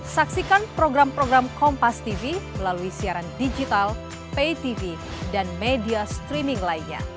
saksikan program program kompas tv melalui siaran digital pay tv dan media streaming lainnya